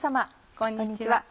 こんにちは。